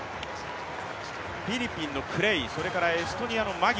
フィリピンのクレイエストニアのマギ。